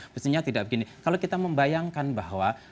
mestinya tidak begini kalau kita membayangkan bahwa